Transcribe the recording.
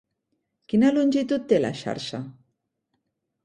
Quina longitud té la xarxa?